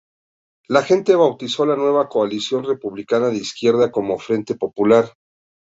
La gente bautizó la nueva coalición republicana de izquierdas como "Frente Popular".